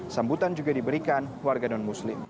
sambutan juga diberikan warga non muslim